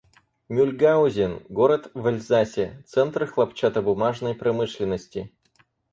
Мюльгаузен — город в Эльзасе, центр хлопчатобумажной промышленности.